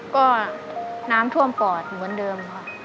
ก็น้ำท่วมปอดเหมือนเดิมค่ะ